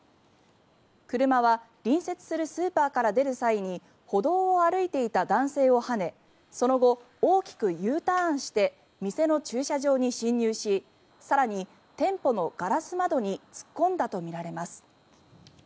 車は隣接するスーパーから出る際に歩道を歩いていた男性をはねその後、大きくＵターンして店の駐車場に進入し更に店舗のガラス窓に突っ込んだとみられます。